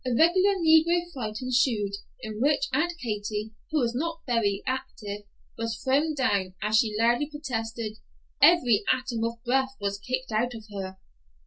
A regular negro fight ensued, in which Aunt Katy, who was not very active, was thrown down, and as she loudly protested, "every atom of breath was kicked out of her."